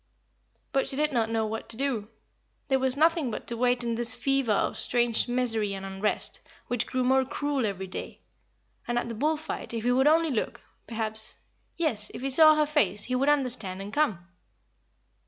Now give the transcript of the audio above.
But she did not know what to do. There was nothing but to wait in this fever of strange misery and unrest, which grew more cruel every day; and at the bull fight if he would only look perhaps yes, if he saw her face, he would understand and come.